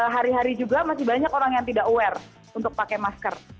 hari hari juga masih banyak orang yang tidak aware untuk pakai masker